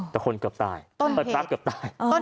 แต่คนเกือบตายปั๊บเกือบตาย